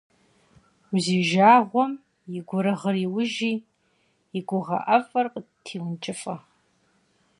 Узижагъуэм и гурыгъыр иужи, и гугъэ ӏэфӏыр къытиункӏыфӏэ!